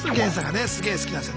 すげえ好きなんですよね。